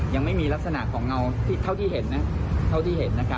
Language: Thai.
ยังไม่มีลักษณะของเงาเท่าที่เห็นนะ